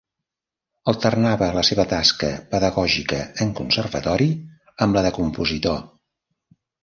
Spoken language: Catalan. Alternava la seva tasca pedagògica en Conservatori amb la de compositor.